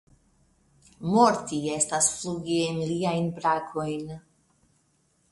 Morti estas flugi en liajn brakojn.